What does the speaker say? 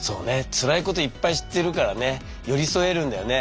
辛いこといっぱい知ってるからね寄り添えるんだよね